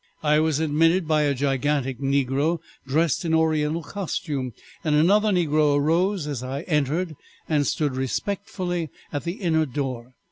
I was admitted by a gigantic negro dressed in oriental costume, and another negro arose as I entered, and stood respectfully at the inner door.